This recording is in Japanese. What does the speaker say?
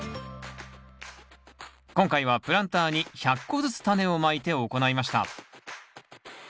今回はプランターに１００個ずつタネをまいて行いました。